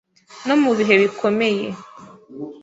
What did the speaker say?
no mu bihe bikomeye